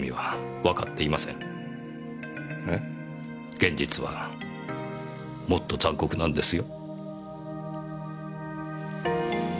現実はもっと残酷なんですよ。